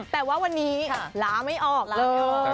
แต่ว่าวันนี้ล้าไม่ออกแล้ว